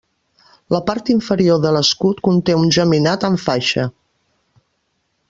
La part inferior de l'escut conté un geminat en faixa.